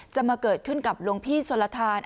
จะมาเกิดขึ้นกับหลวงพี่สลทาน